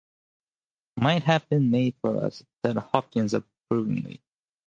"Might have been made for us," said Hopkins approvingly.